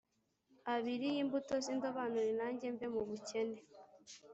abiri y’imbuto z’indobanure nange mve mu bukene.